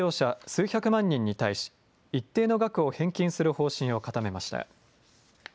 数百万人に対し、一定の額を返金する方針を固めました。